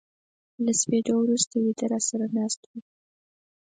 له سپېدو ورو سته و يده را سره ناست وې